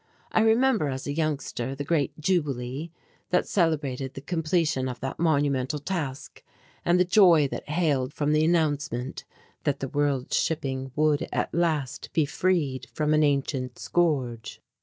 I remember, as a youngster, the great Jubilee that celebrated the completion of that monumental task, and the joy that hailed from the announcement that the world's shipping would at last be freed from an ancient scourge.